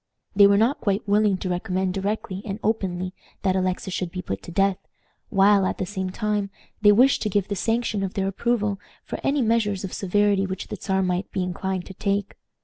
They were not quite willing to recommend directly and openly that Alexis should be put to death, while, at the same time, they wished to give the sanction of their approval for any measures of severity which the Czar might be inclined to take.